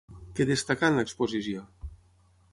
Què destacà en l'Exposició?